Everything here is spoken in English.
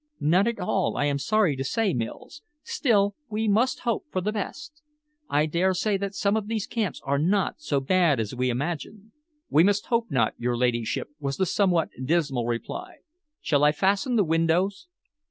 "None at all, I am sorry to say, Mills! Still, we must hope for the best. I dare say that some of these camps are not so bad as we imagine." "We must hope not, your ladyship," was the somewhat dismal reply. "Shall I fasten the windows?"